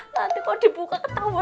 nanti kalau dibuka ketawa